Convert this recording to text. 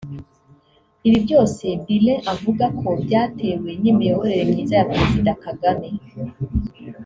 Ibi byose Billen avuga ko byatewe n’imiyoborere myiza ya Perezida Kagame